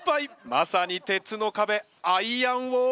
まさに鉄の壁アイアンウォール。